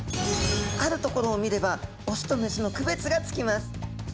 あるところを見ればオスとメスの区別がつきます。